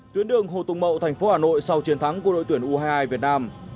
tuyến đường hồ tùng mậu thành phố hà nội sau chiến thắng của đội tuyển u hai mươi hai việt nam